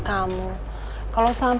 kamu mau jalan di sini